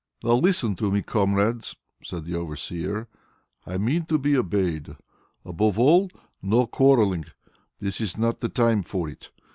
"Now, listen to me, comrades," said the overseer. "I mean to be obeyed. Above all, no quarrelling; this is not the time for it.